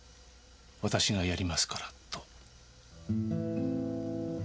「私がやりますから」と。